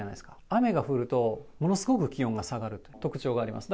雨が降ると、ものすごく気温が下がる特徴があります。